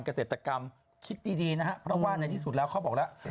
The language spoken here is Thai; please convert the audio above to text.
เกษตรกรรมคิดดีนะคะเพราะนายที่สุดจ้าเขาบอกล่ะ